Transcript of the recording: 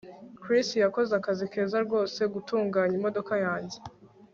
Chris yakoze akazi keza rwose gutunganya imodoka yanjye